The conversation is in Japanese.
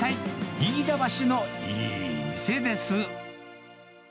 飯田橋のいい店です。